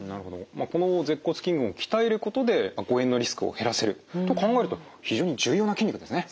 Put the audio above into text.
まあこの舌骨筋群を鍛えることで誤嚥のリスクを減らせると考えると非常に重要な筋肉ですね。